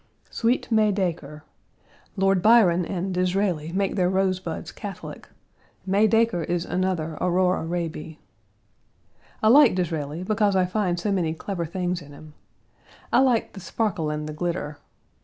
Sweet May Dacre. Lord Byron and Disraeli make their rosebuds Catholic; May Dacre is another Aurora Raby. I Page 136 like Disraeli because I find so many clever things in him. I like the sparkle and the glitter.